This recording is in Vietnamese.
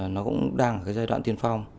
nó cũng đang ở giai đoạn tiên phong